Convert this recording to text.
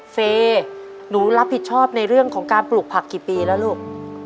เฟย์หนูรับผิดชอบในเรื่องของการปลูกผักกี่ปีแล้วลูก